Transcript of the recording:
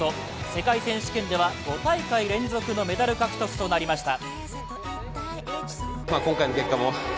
世界選手権では５大会連続のメダル獲得となりました。